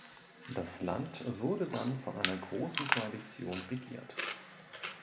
Das Land wurde dann von einer Großen Koalition regiert.